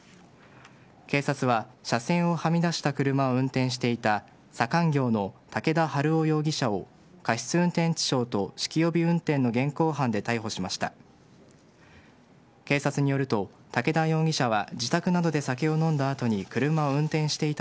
警察は、車線をはみ出した車を運転していた左官業の竹田春男容疑者を過失運転致傷と酒気帯び運転の現行犯で逮捕しました。